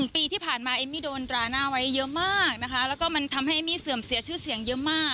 ปีที่ผ่านมาเอมมี่โดนดราหน้าไว้เยอะมากนะคะแล้วก็มันทำให้เอมมี่เสื่อมเสียชื่อเสียงเยอะมาก